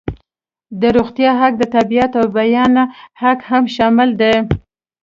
د روغتیا حق، د تابعیت او بیان حق هم شامل دي.